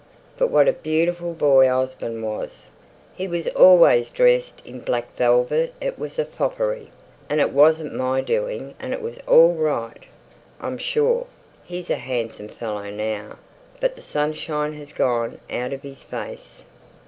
But what a beautiful boy Osborne was! He was always dressed in black velvet it was a foppery, but it wasn't my doing, and it was all right, I'm sure. He's a handsome fellow now, but the sunshine has gone out of his face."